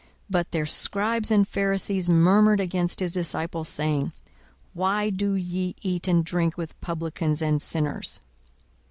42:005:030 But their scribes and Pharisees murmured against his disciples, saying, Why do ye eat and drink with publicans and sinners?